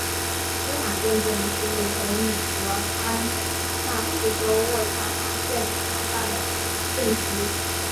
斯坦顿镇区为美国堪萨斯州渥太华县辖下的镇区。